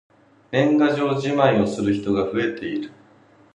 年賀状じまいをする人が増えている。